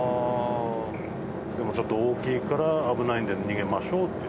ちょっと大きいから危ないんで逃げましょうって。